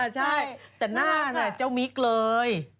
ใช่แต่หน้าน่ะเจ้ามิกเลย